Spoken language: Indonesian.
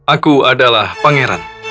aku adalah pangeran